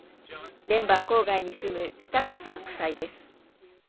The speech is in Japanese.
デンバー郊外に住むスタックさん夫妻です。